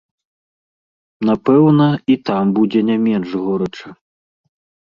Напэўна, і там будзе не менш горача.